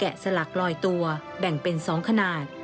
สลักลอยตัวแบ่งเป็น๒ขนาด